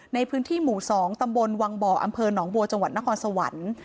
ในพื้นที่หมู่๒ตำบลวังบ่ออำเภอหนองบัวจังหวัดนครสวรรค์